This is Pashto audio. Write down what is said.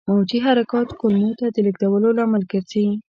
موجي حرکات کولمو ته د لېږدولو لامل ګرځي.